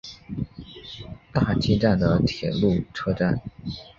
大崎站的铁路车站。